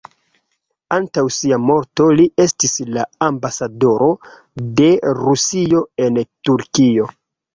Antaŭ sia morto li estis la ambasadoro de Rusio en Turkio.